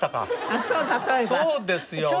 そうですよもう。